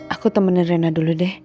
aku temennya rena dulu deh